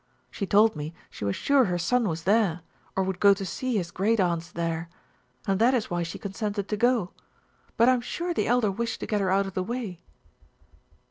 She told me she was sure her son was there, or would go to see his great aunts there, and that is why she consented to go but I'm sure the Elder wished to get her out of the way."